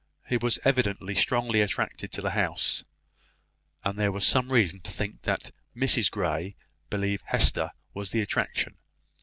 He was evidently strongly attracted to the house; and there was some reason to think that Mrs Grey believed that Hester was the attraction.